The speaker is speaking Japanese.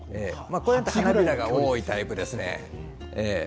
花びらが多いタイプですね。